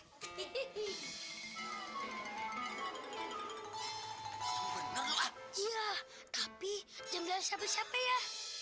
iya tapi jangan bilang siapa siapa ya